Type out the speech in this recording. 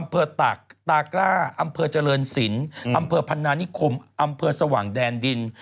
ตากตากล้าอำเภอเจริญศิลป์อำเภอพันนานิคมอำเภอสว่างแดนดิน